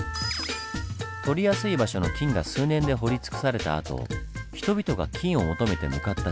とりやすい場所の金が数年で掘り尽くされたあと人々が金を求めて向かった地下。